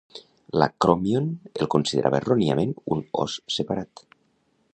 L'acròmion el considerava erròniament un os separat.